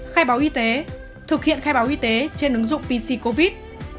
khai báo y tế thực hiện khai báo y tế trên ứng dụng pc covid